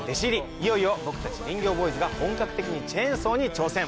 いよいよ僕たち林業ボーイズが本格的にチェーンソーに挑戦。